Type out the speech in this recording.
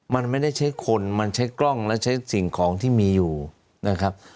มันไม่ได้ใช้คนมันใช้กล้องและใช้สิ่งของที่มีอยู่นะครับ